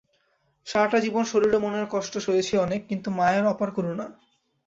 সারাটা জীবন শরীর ও মনের কষ্ট সয়েছি অনেক, কিন্তু মায়ের অপার করুণা।